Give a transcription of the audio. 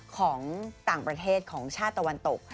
ของต่างประเทศของชาติตะวันตก